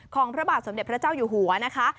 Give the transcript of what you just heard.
พระบาทสมเด็จพระเจ้าอยู่หัวนะคะ